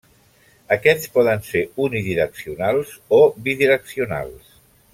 Aquests poden ser unidireccionals, o bidireccionals.